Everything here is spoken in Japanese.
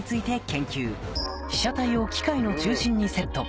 被写体を機械の中心にセット。